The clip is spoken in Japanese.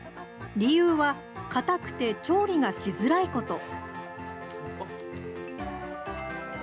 理由はかたくて調理がしづらいこと。